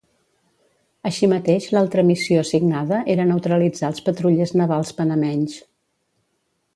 Així mateix l'altra missió assignada era neutralitzar els patrullers navals panamenys.